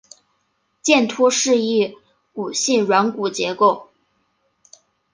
剑突是一骨性软骨结构。